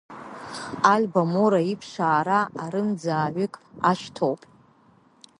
Альдо Моро иԥшаара арымӡааҩык ашьҭоуп.